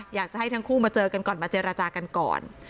อยากจะให้ทั้งคู่มาเจอกันก่อนมาเจรจากันก่อน